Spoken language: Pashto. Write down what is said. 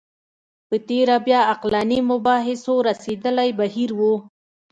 په تېره بیا عقلاني مباحثو رسېدلی بهیر و